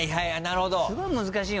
すごい難しいよね。